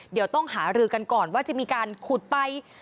เดี๋ยวต้องหารือกันก่อนว่าจะมีการขุดไป